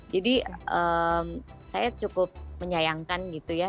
jadi saya cukup menyayangkan gitu ya